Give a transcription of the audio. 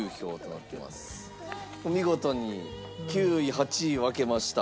見事に９位８位を開けました。